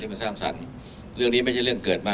มันสร้างสรรค์เรื่องนี้ไม่ใช่เรื่องเกิดมา